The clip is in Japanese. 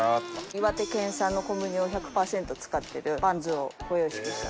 岩手県産の小麦を１００％使ってるバンズをご用意しました。